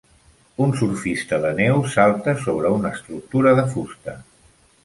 Un surfista de neu salta sobre una estructura de fusta.